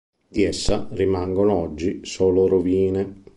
Di essa rimangono oggi solo rovine.